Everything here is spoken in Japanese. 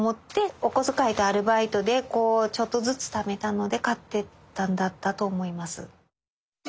お小遣いとアルバイトでちょっとずつためたので買ってったんだったと思います。